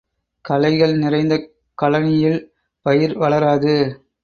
களைகள் நிறைந்த கழனியில் பயிர் வளராது.